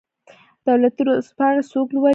دولتي ورځپاڼې څوک لوالي؟